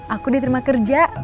aku diterima kerja